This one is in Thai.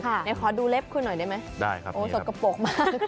หน่อยขอดูเล็บคุณหน่อยได้ไหม